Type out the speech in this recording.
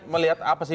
melihat apa sih